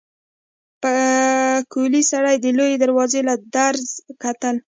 پکولي سړي د لويې دروازې له درزه کتل.